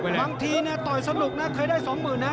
บางทีต่อยสนุกนะเคยได้๒๐๐๐นะ